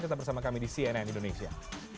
tetap bersama kami di cnn indonesia